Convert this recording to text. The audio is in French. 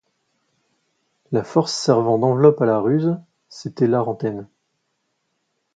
La force servant d’enveloppe à la ruse, c’était là Rantaine.